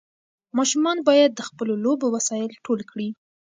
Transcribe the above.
ماشومان باید د خپلو لوبو وسایل ټول کړي.